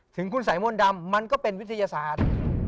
ถึงคุณสายมนต์ดำมันก็เป็นวิทยาศาสตร์